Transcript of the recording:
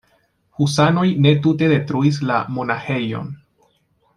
Husanoj ne tute detruis la monaĥejon.